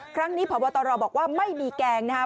ครั้งนี้ผัวบัตรรอบอกว่าไม่มีแกงนะครับ